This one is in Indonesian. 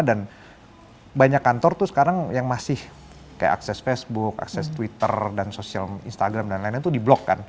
dan banyak kantor tuh sekarang yang masih kayak akses facebook akses twitter dan social instagram dan lain lain tuh di blok kan